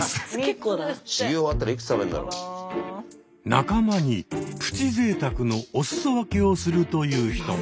仲間に「プチぜいたく」のお裾分けをするという人も。